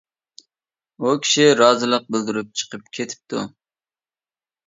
ئۇ كىشى رازىلىق بىلدۈرۈپ چىقىپ كېتىپتۇ.